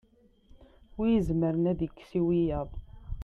wi izemren ad ikkes i wiyaḍ